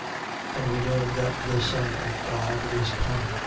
And we know that the Son of God is come.